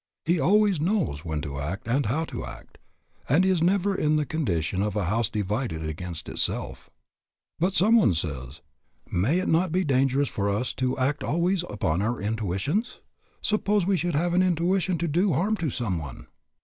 He always knows when to act and how to act, and he is never in the condition of a house divided against itself. But some one says, "May it not be dangerous for us to act always upon our intuitions? Suppose we should have an intuition to do harm to some one?"